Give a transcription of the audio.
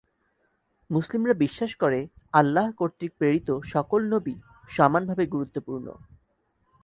মুসলিমরা বিশ্বাস করে আল্লাহ কর্তৃক প্রেরিত সকল নবি সমানভাবে গুরুত্বপূর্ণ।